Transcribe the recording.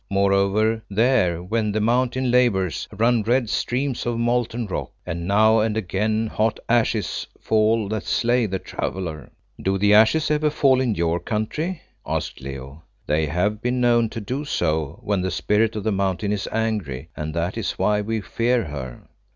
Moreover, there, when the Mountain labours, run red streams of molten rock, and now and again hot ashes fall that slay the traveller." "Do the ashes ever fall in your country?" asked Leo. "They have been known to do so when the Spirit of the Mountain is angry, and that is why we fear her."